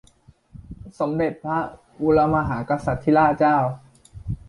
สมเด็จพระบูรพมหากษัตริยาธิราชเจ้า